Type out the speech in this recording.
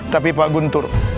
tapi pak guntur